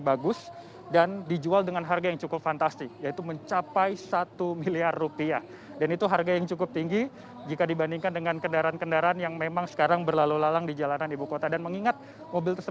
bagi penghobi otomotif yang bisa menanggulangi harga bbm yang tinggi